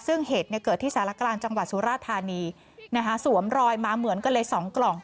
ซึ่งเหตุเกิดที่สารกลางจังหวัดสุราธานีนะคะสวมรอยมาเหมือนกันเลยสองกล่อง